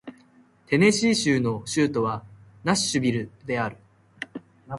テネシー州の州都はナッシュビルである